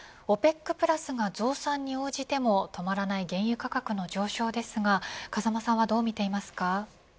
ＯＰＥＣプラスが増産に応じても止まらない原油価格の上昇ですが風間さんはどうみていますか。